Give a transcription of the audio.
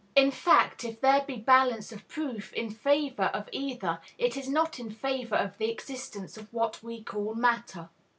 In fact, if there be balance of proof in favor of either, it is not in favor of the existence of what we call matter.